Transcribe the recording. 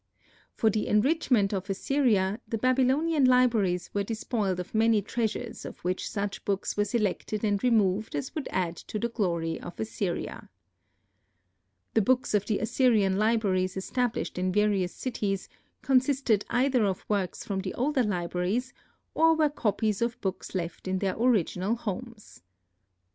For the enrichment of Assyria, the Babylonian libraries were despoiled of many treasures of which such books were selected and removed as would add to the glory of Assyria. The books of the Assyrian libraries established in various cities consisted either of works from the older libraries or were copies of books left in their original homes.